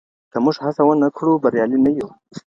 که موږ هڅه ونه کړو، بريالي نه يو.